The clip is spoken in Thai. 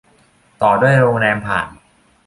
ต่อด้วยโรงแรมผ่าน